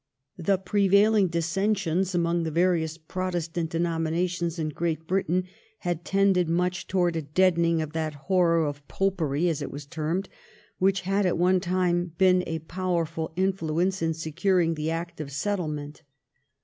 The prevailing dissensions among the various Protestant denominations in Great Britain had tended much towards a deadening of that horror of Popery, as it was termed, which had at one time been a powerful influence in securing the Act of Settlement.